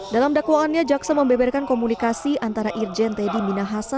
dalam dakwaannya jaksa membeberkan komunikasi antara irjen teddy minahasa